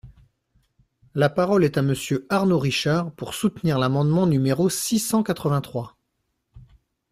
La parole est à Monsieur Arnaud Richard, pour soutenir l’amendement numéro six cent quatre-vingt-trois.